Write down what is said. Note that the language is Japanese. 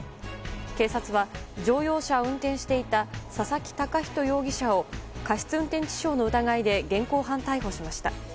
警察は、乗用車を運転していた佐々木貴一容疑者を過失運転致傷の疑いで現行犯逮捕しました。